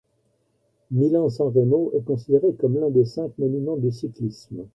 Milan-San Remo est considéré comme l'un des cinq Monuments du cyclisme.